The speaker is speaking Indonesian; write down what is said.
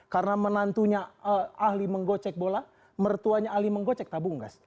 karena menantunya ahli menggocek bola mertuanya ahli menggocek tabunggas